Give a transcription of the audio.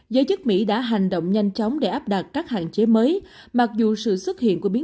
giới chức mỹ đã hành động nhanh chóng để áp đặt các hạn chế mới